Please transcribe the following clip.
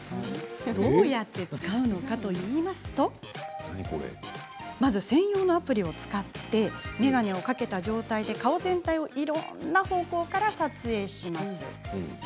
どうやって使うかというとまず、専用のアプリを使って眼鏡をかけた状態で顔全体をいろんな方向から撮影します。